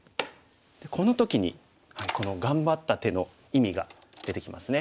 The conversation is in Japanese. この時にこの頑張った手の意味が出てきますね。